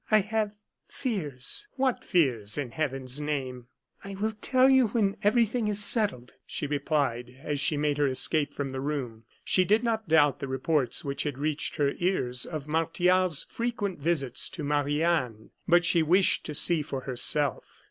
I have fears." "What fears, in Heaven's name?" "I will tell you when everything is settled," she replied, as she made her escape from the room. She did not doubt the reports which had reached her ears, of Martial's frequent visits to Marie Anne, but she wished to see for herself.